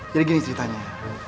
jadi gini ceritanya